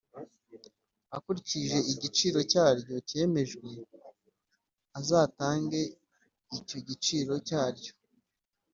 Akurikije igiciro cyaryo cyemejwe azatange icyo giciro cyaryo